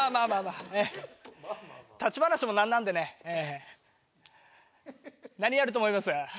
あねっ立ち話も何なんでね何やると思います？